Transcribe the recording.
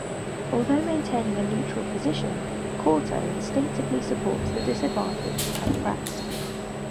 Although maintaining a neutral position, Corto instinctively supports the disadvantaged and oppressed.